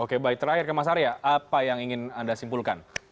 oke baik terakhir ke mas arya apa yang ingin anda simpulkan